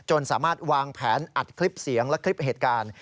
สามารถวางแผนอัดคลิปเสียงและคลิปเหตุการณ์